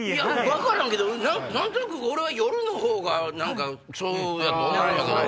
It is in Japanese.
分からんけど何となく俺は夜のほうがそうやと思うけど。